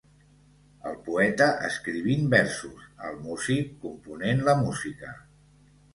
El poeta escrivint versos, el músic component la música.